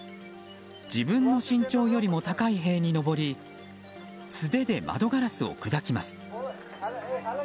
自分の身長よりも高い塀に登り素手で窓ガラスを砕きます。